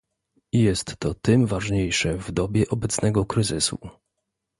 Jest to tym ważniejsze w dobie obecnego kryzysu